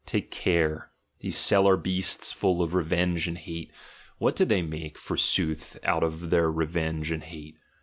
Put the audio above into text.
Take care! These cellar beasts, full of revenge and hate — what do they make, forsooth, out of their revenge and hate?